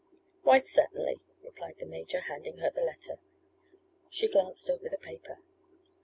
"Why, certainly," replied the major, handing her the letter. She glanced over the paper.